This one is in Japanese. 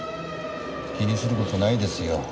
気にする事ないですよ。